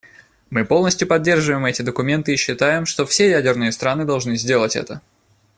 Мы полностью поддерживаем эти документы и считаем, что все ядерные страны должны сделать это.